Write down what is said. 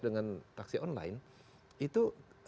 dengan taksi online itu